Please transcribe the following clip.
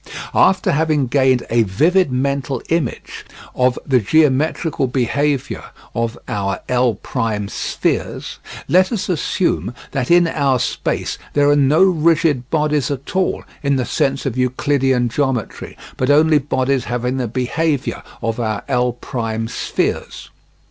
After having gained a vivid mental image of the geometrical behaviour of our L' spheres, let us assume that in our space there are no rigid bodies at all in the sense of Euclidean geometry, but only bodies having the behaviour of our L' spheres.